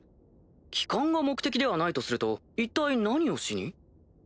帰還が目的ではないとすると一体何をしに？